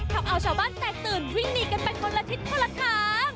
ทำเอาชาวบ้านแตกตื่นวิ่งหนีกันไปคนละทิศคนละทาง